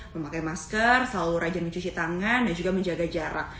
memakai masker selalu rajin mencuci tangan dan juga menjaga jarak